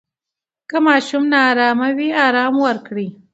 که ماشوم نا آرامه وي، آرامۍ ورکړئ.